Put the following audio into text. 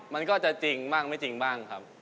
มันก็จะจริงบ้างไม่จริงบ้างครับ